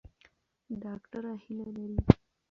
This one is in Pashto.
ډاکټره هیله لري.